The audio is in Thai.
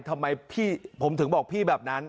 ทำไมพี่ผมถึงบอกพี่แบบนั้น